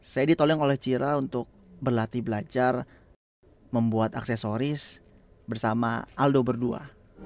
saya ditoleng oleh cira untuk berlatih belajar membuat aksesoris bersama aldo berdua